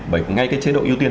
bởi ngay cái chế độ ưu tiên